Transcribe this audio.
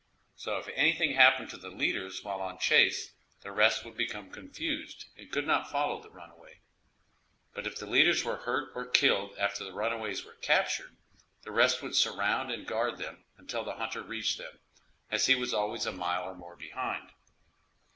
So if anything happened to the leaders while on chase, the rest would become confused, and could not follow the runaway. But if the leaders were hurt or killed after the runaways were captured, the rest would surround and guard them until the hunter reached them, as he was always a mile or more behind.